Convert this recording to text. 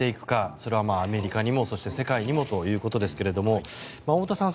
それはアメリカにもそして世界にもということですが太田さん